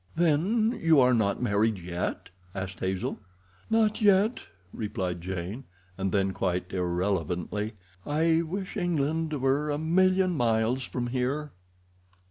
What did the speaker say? "Then you are not married yet?" asked Hazel. "Not yet," replied Jane, and then, quite irrelevantly, "I wish England were a million miles from here."